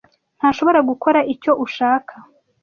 ntashobora gukora icyo ushaka